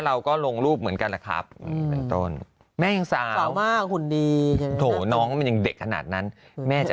เราก็ลงรูปเหมือนกันนะครับต้นแม่ยังสาวมากคุณดีโถ่น้องมันยังเด็กขนาดนั้นแม่จะ